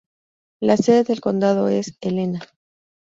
La sede del condado es Helena.